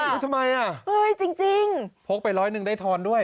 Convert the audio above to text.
แล้วทำไมอ่ะเอ้ยจริงพกไปร้อยหนึ่งได้ทอนด้วย